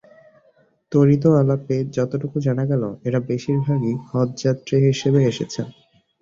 ত্বরিত আলাপে যতটুকু জানা গেল, এঁরা বেশির ভাগই হজযাত্রী হিসেবে এসেছেন।